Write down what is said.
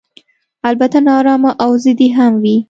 البته نا ارامه او ضدي هم وي.